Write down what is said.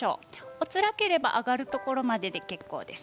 おつらければ上がるところまでで結構です。